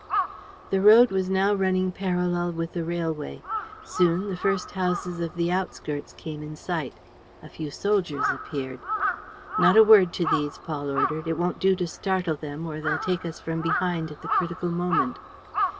The road was now running parallel with the railway. Soon, the first houses of the outskirts came in sight. A few soldiers appeared. "Not a word to these," Paul ordered. "It won't do to startle them ... or they'll take us from behind at the critical moment."